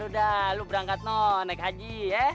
udah lu berangkat no naik haji ya